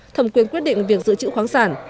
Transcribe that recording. thầm quyền quyết định việc giữ chữ khoáng sản